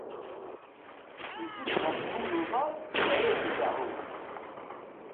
Yebded ɣef yiwen uḍar ar ideɛɛu.